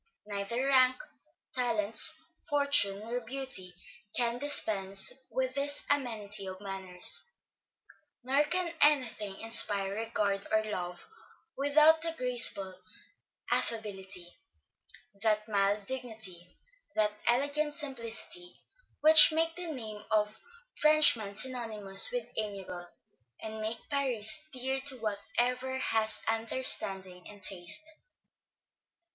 Neither rank, talents, fortune, nor beauty, can dispense with this amenity of manners; nor can any thing inspire regard or love, without that graceful affability, that mild dignity, that elegant simplicity, which make the name of Frenchman synonymous with amiable, and make Paris dear, to whatever has understanding and taste.